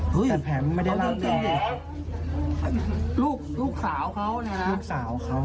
ลูกสาวแท้ได้นะ